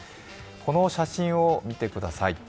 この写真を見てください。